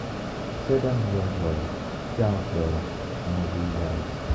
Sedan roadway, Charleville-Mézières.